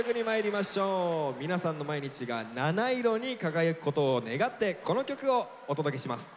皆さんの毎日が七色に輝くことを願ってこの曲をお届けします。